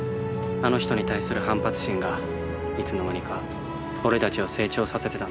あの人に対する反発心がいつのまにか俺たちを成長させてたんです。